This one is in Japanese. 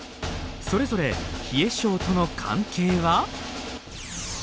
それぞれ冷え症との関係は？